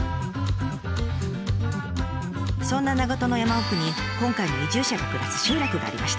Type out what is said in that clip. そんな長門の山奥に今回の移住者が暮らす集落がありました。